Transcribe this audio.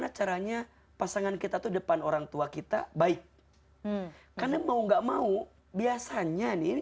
gimana caranya pasangan kita tuh depan orangtua kita baik karena mau nggak mau biasanya nih